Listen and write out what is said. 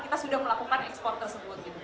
kita sudah melakukan ekspor tersebut